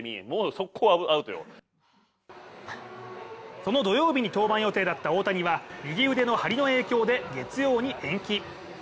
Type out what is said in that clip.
この土曜日に登板予定だった大谷は右腕の張りの影響で月曜に延期。